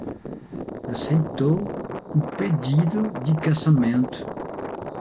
Aceitou o pedido de casamento